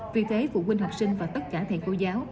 vì thế phụ huynh học sinh và tất cả thầy cô giáo